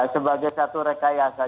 sebagai satu rekayasa